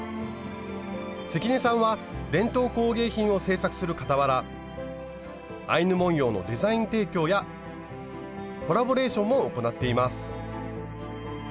関根さんは伝統工芸品を製作するかたわらアイヌ文様のデザイン提供やコラボレーションも行っています。